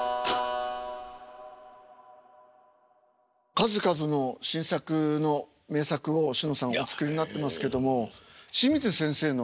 数々の新作の名作をしのさんお作りになってますけども清水先生の。